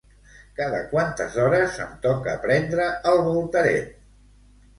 Cada quantes hores em toca prendre el Voltarén?